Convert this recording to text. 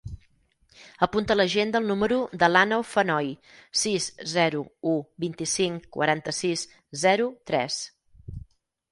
Apunta a l'agenda el número de l'Àneu Fenoy: sis, zero, u, vint-i-cinc, quaranta-sis, zero, tres.